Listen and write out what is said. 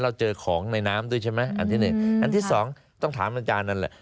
เจอของในน้ำด้วยใช่ไหมอันที่หนึ่งอันที่สองต้องถามอาจารย์นั่นแหละ